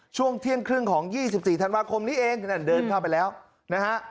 ช่วงเที่ยงครึ่งของ๒๔ธันวาคมนี้เองนั่นเดินเข้าไปแล้วนะฮะ